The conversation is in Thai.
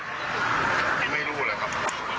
ยังไม่รู้เลยครับ